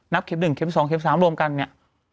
นับเก็บ๑เก็บ๒เก็บ๓รวมกันอย่างนี้